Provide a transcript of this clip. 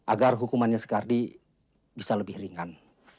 agar hukumannya sekardi bisa lebih ringan